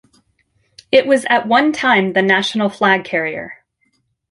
It was at one time the national flag carrier.